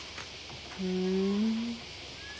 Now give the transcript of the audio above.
ふん。